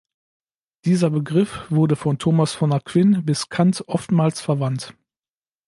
Dieser Begriff wurde von Thomas von Aquin bis Kant oftmals verwandt.